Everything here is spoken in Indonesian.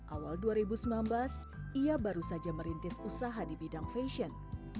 awal dua ribu sembilan belas ia baru saja merintis usaha di bidang fashion